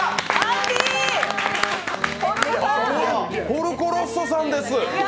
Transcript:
ポルコ・ロッソさんです。